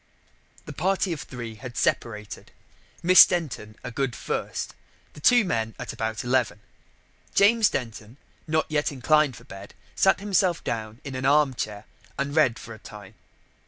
The party of three had separated. Miss Denton a good first, the two men at about eleven. James Denton, not yet inclined for bed, sat him down in an arm chair and read for a time.